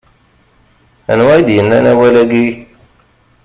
Anwa i d-yannan awal-agi?